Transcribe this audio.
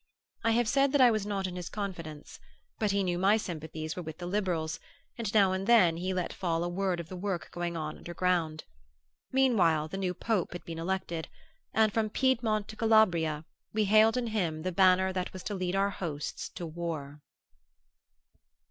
I have said that I was not in his confidence; but he knew my sympathies were with the liberals and now and then he let fall a word of the work going on underground. Meanwhile the new Pope had been elected, and from Piedmont to Calabria we hailed in him the Banner that was to lead our hosts to war.